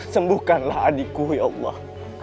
sembukkanlah adikku ya allah